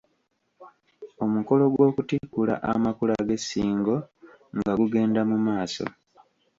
Omukolo gw'okutikkula amakula g'e Ssingo nga gugenda mu maaso.